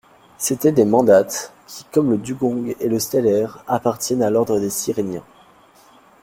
C'étaient des manates qui, comme le dugong et le stellère, appartiennent à l'ordre des syréniens.